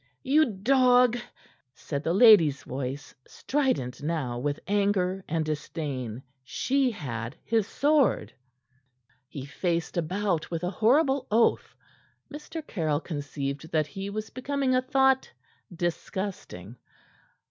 "You dog!" said the lady's voice, strident now with anger and disdain. She had his sword. He faced about with a horrible oath. Mr. Caryll conceived that he was becoming a thought disgusting.